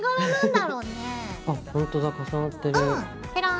あほんとだ重なってる。